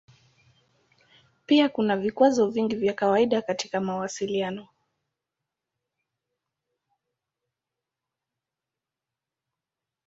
Pia kuna vikwazo vingi vya kawaida katika mawasiliano.